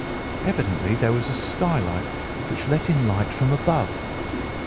Evidently there was a skylight which let in light from above.